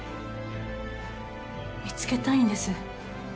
見つけたいんです。